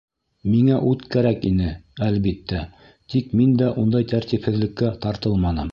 Миңә ут кәрәк ине, әлбиттә, тик мин дә ундай тәртипһеҙлеккә тартылманым.